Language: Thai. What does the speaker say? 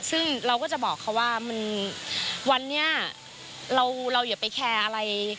ซึ่งเราก็จะบอกเขาว่ามันวันนี้เราอย่าไปแคร์อะไร